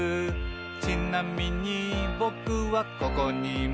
「ちなみにぼくはここにいます」